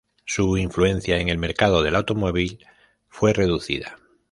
Su influencia en el mercado del automóvil fue reducida.